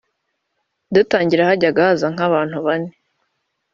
Dutangira hajyaga haza nk’ abantu bane